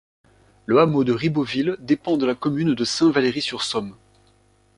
Le hameau de Ribeauville dépend de la commune de Saint-Valery-sur-Somme.